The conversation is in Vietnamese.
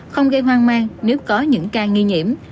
không gây hoang mang nếu có những ca nghi nhiễm